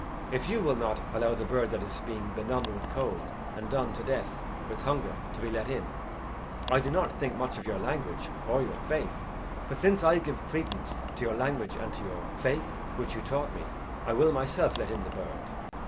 If you will not allow the bird that is being benumbed with cold, and done to death with hunger, to be let in, I do not think much of your language or your faith. But since I give credence to your language and to your faith, which you taught me, I will myself let in the bird."